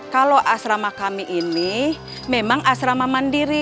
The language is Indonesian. kalau asrama kami ini memang asrama mandiri